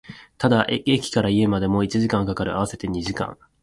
ただ、駅から家までも一時間は掛かる、合わせて二時間